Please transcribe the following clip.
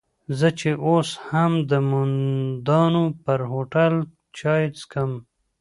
زه چې اوس هم د مومندانو پر هوټل چای څکم.